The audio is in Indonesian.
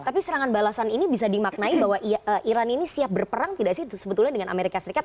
tapi serangan balasan ini bisa dimaknai bahwa iran ini siap berperang tidak sih sebetulnya dengan amerika serikat